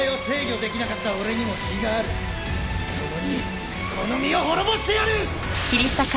共にこの身を滅ぼしてやる！